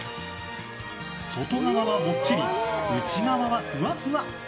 外側はもっちり、内側はふわふわ。